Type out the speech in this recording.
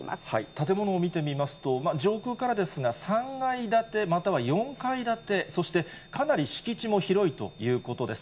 建物を見てみますと、上空からですが、３階建て、または４階建て、そしてかなり敷地も広いということです。